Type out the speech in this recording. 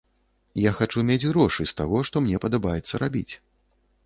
Я хачу мець грошы з таго, што мне падабаецца рабіць.